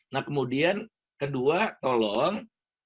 nah kemudian kedua tolong